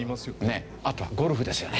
あとはゴルフですよね。